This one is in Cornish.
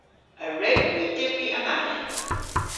A wrewgh hwi dybri amanen?